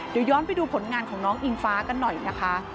เดี๋ยวย้อนไปดูผลงานของน้องอิงฟ้ากันหน่อยนะคะ